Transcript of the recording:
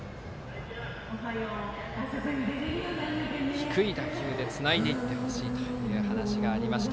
低い打球でつないでいってほしいという話がありました。